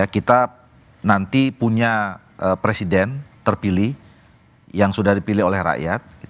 kita nanti punya presiden terpilih yang sudah dipilih oleh rakyat